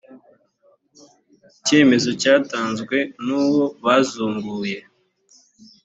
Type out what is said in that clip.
icyemezo cyatanzwe nuwo bazunguye .